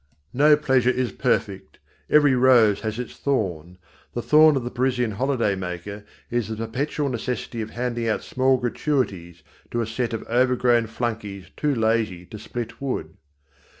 No pleasure is perfect. Every rose has its thorn. The thorn of the Parisian holiday maker is the perpetual necessity of handing out small gratuities to a set of overgrown flunkies too lazy to split wood.